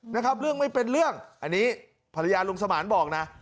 นะครับเรื่องไม่เป็นเรื่องอันนี้ภรรยาลุงสมานบอกนะ